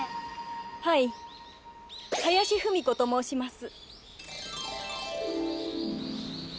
林芙美子と申します。